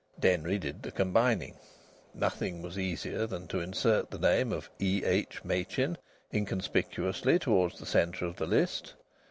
Denry did the combining. Nothing was easier than to insert the name of E.H. Machin inconspicuously towards the centre of the list!